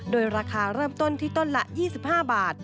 โดยราคาเริ่มต้นที่ต้นละ๒๕บาท